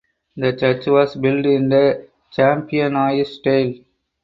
The church was built in the "Champenois" style.